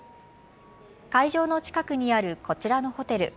会場の近くにあるこちらのホテル。